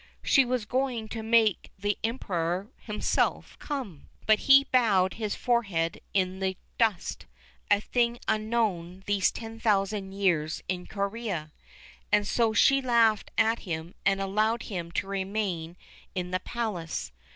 She was going to make the Emperor himself come, but he bowed his forehead in the dust, a thing unknown these ten thousand years in Corea, and so she laughed at him and allowed him to remain in the Palace.